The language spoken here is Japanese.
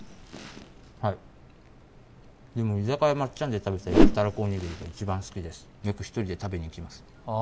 はいでも居酒屋松ちゃんで食べた焼きたらこおにぎりが一番好きですよく一人で食べに行きますあ